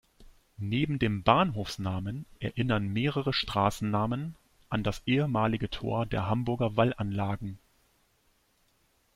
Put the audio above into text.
Neben dem Bahnhofsnamen erinnern mehrere Straßennamen an das ehemalige Tor der Hamburger Wallanlagen.